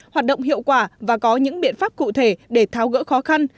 hoạt động hiệu quả và có những biện pháp cụ thể để tháo gỡ khó khăn